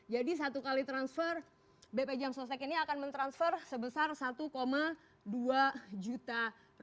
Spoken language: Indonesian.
jadi satu kali transfer bp jam sostek ini akan mentransfer sebesar rp satu dua juta